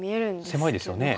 狭いですよね。